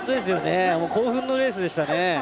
興奮のレースでしたね。